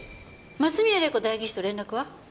松宮玲子代議士と連絡は？